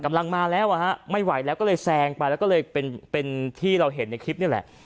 กำลังมาแล้วอ่ะฮะไม่ไหวแล้วก็เลยแซงไปแล้วก็เลยเป็นเป็นที่เราเห็นในคลิปนี่แหละ